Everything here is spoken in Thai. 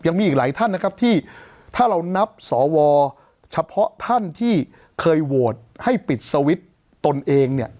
ยังมีอีกหลายท่านนะครับที่ถ้าเรานับสวเฉพาะท่านที่เคยโหวตให้ปิดสวิตช์ตนเองเนี่ย